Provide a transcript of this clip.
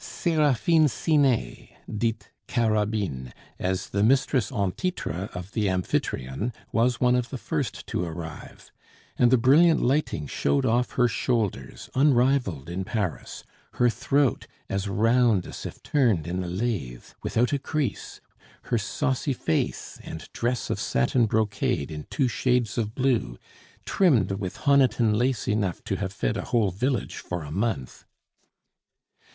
Seraphine Sinet, dite Carabine, as the mistress en titre of the Amphitryon, was one of the first to arrive; and the brilliant lighting showed off her shoulders, unrivaled in Paris, her throat, as round as if turned in a lathe, without a crease, her saucy face, and dress of satin brocade in two shades of blue, trimmed with Honiton lace enough to have fed a whole village for a month.